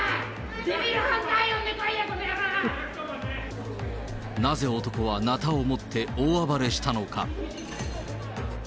デビルハンター呼んでこいや、なぜ男はなたを持って大暴れしたのか。